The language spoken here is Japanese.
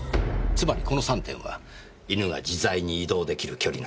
つまりこの３点は犬が自在に移動できる距離なんです。